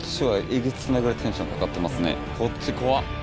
こっち怖っ。